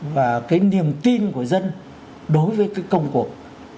và cái niềm tin của dân đối với cái công cuộc